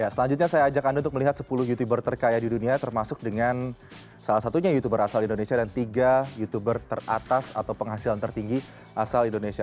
selanjutnya saya ajak anda untuk melihat sepuluh youtuber terkaya di dunia termasuk dengan salah satunya youtuber asal indonesia dan tiga youtuber teratas atau penghasilan tertinggi asal indonesia